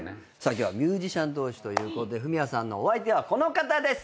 今日はミュージシャン同士ということでフミヤさんのお相手はこの方です。